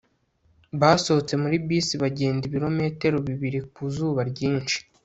basohotse muri bisi bagenda ibirometero bibiri ku zuba ryinshi